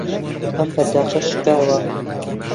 ئەم پەرداخە شکاوە.